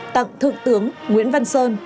tặng thượng tướng nguyễn văn sơn